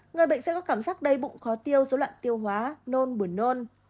người bệnh sẽ có cảm giác đầy bụng khó tiêu dối loạn tiêu hóa nôn buồn nôn